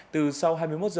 từ sau hai mươi một h